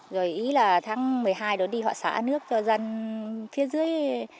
rồi ý là tháng một mươi hai rồi đi họ xả nước cho dân phía dưới